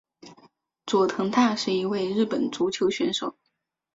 佐藤大是一位日本足球选手。